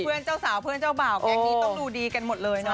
เพื่อนเจ้าสาวเพื่อนเจ้าบ่าวแก๊งนี้จะดูดีกันหมดเลยนะ